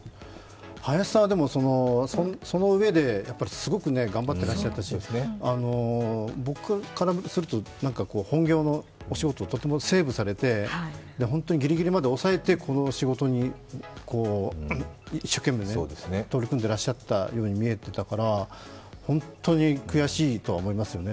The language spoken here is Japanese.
林さんはそのうえで、すごく頑張っていらっしゃったし、僕からすると、本業のお仕事をとてもセーブされて、本当にギリギリまで抑えて、この仕事に一生懸命取り組んでらっしゃったように見えてたから本当に悔しいとは思いますよね。